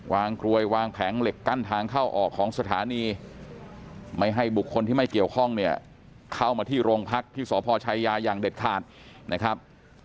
กลวยวางแผงเหล็กกั้นทางเข้าออกของสถานีไม่ให้บุคคลที่ไม่เกี่ยวข้องเนี่ยเข้ามาที่โรงพักที่สพชายาอย่างเด็ดขาดนะครับ